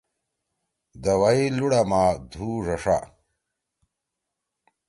دوَئی لُوڑا ما دُھو ڙݜا۔